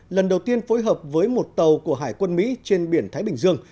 lần đầu tiên phối hợp với một tàu của hải quân mỹ trên biển thái bình dương